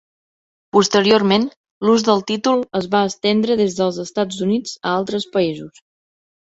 Posteriorment, l'ús del títol es va estendre des dels Estats Units a altres països.